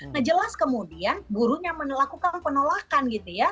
nah jelas kemudian gurunya melakukan penolakan gitu ya